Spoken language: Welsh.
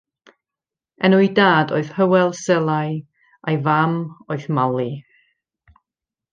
Enw'i dad oedd Hywel Selau a'i fam oedd Mali.